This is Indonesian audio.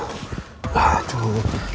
pangkatmu apa duk sih ini